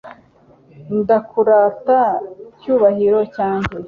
ndakurata cyubahiro cyanjye